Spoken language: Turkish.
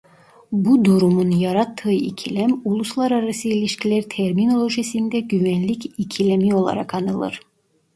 Bu durumun yarattığı ikilem uluslararası ilişkiler terminolojisinde güvenlik ikilemi olarak anılır.